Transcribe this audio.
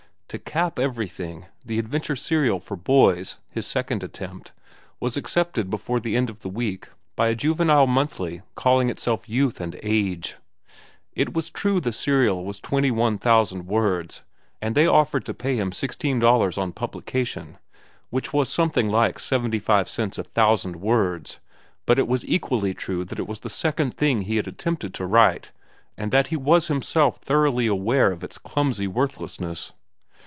To cap everything, the adventure serial for boys, his second attempt, was accepted before the end of the week by a juvenile monthly calling itself Youth and Age. It was true the serial was twenty one thousand words, and they offered to pay him sixteen dollars on publication, which was something like seventy five cents a thousand words; but it was equally true that it was the second thing he had attempted to write and that he was himself thoroughly aware of its clumsy worthlessness.